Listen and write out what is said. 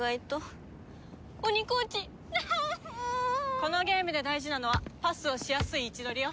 このゲームで大事なのはパスをしやすい位置取りよ。